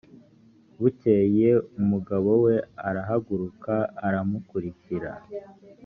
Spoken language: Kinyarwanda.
bukeye umugabo we arahaguruka aramukurikira